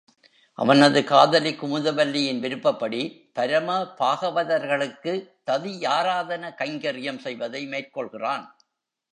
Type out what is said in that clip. அவனது காதலி குமுதவல்லியின் விருப்பப்படி பரம பாகவதர்களுக்குத் ததியாராதன கைங்கர்யம் செய்வதை மேற்கொள்கிறான்.